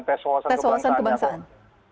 tes wawasan kebangsaan